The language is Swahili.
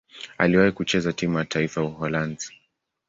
Aliwahi kucheza timu ya taifa ya Uholanzi.